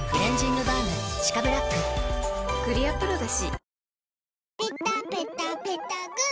クリアプロだＣ。